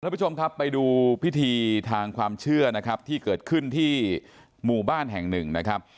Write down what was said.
ทุกคนไปดูพิธีทางความเชื่อที่เกิดขึ้นที่หมู่บ้านแห่งหนึ่ง